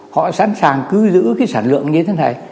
họ sẵn sàng cứ giữ cái sản lượng như thế này